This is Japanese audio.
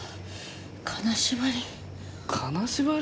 金縛り。